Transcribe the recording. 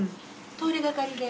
通り掛かりで。